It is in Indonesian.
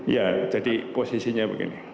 ya jadi posisinya begini